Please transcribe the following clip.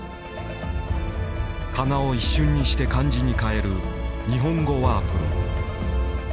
かなを一瞬にして漢字に変える日本語ワープロ。